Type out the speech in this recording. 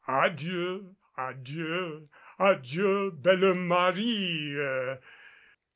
A dieu a dieu A dieu, belle Marie e!